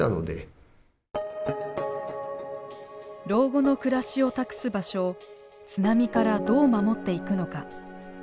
老後の暮らしを託す場所を津波からどう守っていくのか。